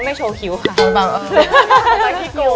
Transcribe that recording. เมื่อกี้โกงเลยค่ะ